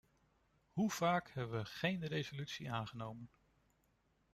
Hoe vaak hebben we geen resoluties aangenomen?